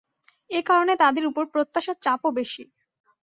এ কারণে তাঁদের ওপর প্রত্যাশার চাপও বেশি।